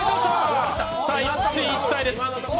一進一退です。